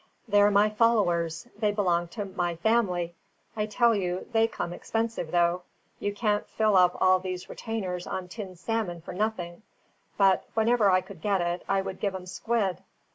"They're My Followers. They belong to My Family. I tell you, they come expensive, though; you can't fill up all these retainers on tinned salmon for nothing; but whenever I could get it, I would give 'em squid.